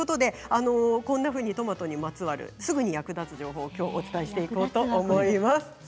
こんなふうにトマトにまつわるすぐに役立つ情報をお伝えしていきます。